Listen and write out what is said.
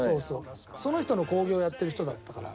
その人の興行をやってる人だったから日本で。